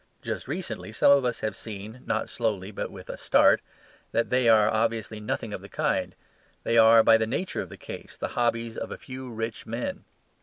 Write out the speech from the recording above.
Just recently some of us have seen (not slowly, but with a start) that they are obviously nothing of the kind. They are, by the nature of the case, the hobbies of a few rich men.